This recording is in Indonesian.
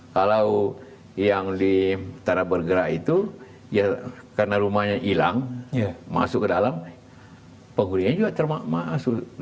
kalau yang di tara bergerak itu ya karena rumahnya hilang masuk ke dalam penghuninya juga termasuk